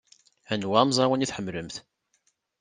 Anwa amẓawan i tḥemmlemt?